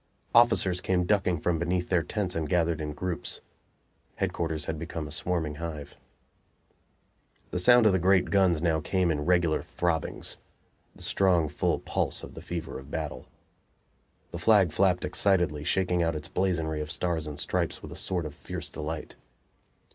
Officers came ducking from beneath their tents and gathered in groups. Headquarters had become a swarming hive. The sound of the great guns now came in regular throbbings the strong, full pulse of the fever of battle. The flag flapped excitedly, shaking out its blazonry of stars and stripes with a sort of fierce delight.